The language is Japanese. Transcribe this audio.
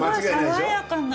爽やかな。